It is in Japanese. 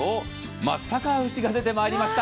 松阪牛が出てまいりました。